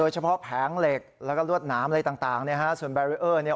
เฉพาะแผงเหล็กแล้วก็ลวดน้ำอะไรต่างส่วนบารีเออร์นี่